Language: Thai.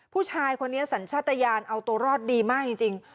ผู้ชายคนนี้สัญชาติยานเอาตัวรอดดีมากจริง